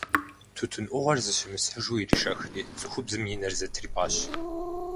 Тутын ӏугъуэр зыщымысхьыжу иришэхри, цӏыхубзым и нэр зэтрипӏащ.